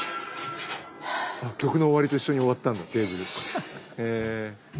曲の終わりと一緒に終わったんだテーブル。